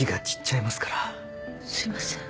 すいません。